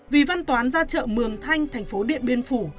vì văn toán ra chợ mường thanh thành phố điện biên phủ